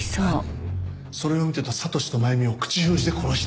それを見てた悟史と真弓を口封じで殺した。